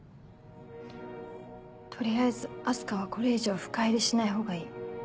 取りあえず明日香はこれ以上深入りしない方がいい。